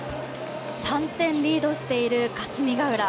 ３点リードしている霞ヶ浦。